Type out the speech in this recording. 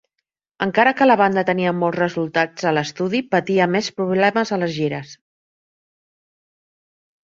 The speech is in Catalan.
Encara que la banda tenia molts resultats a l"estudi, patia més problemes a les gires.